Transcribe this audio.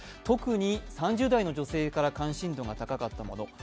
特に３０代の女性から関心度が高かったもの。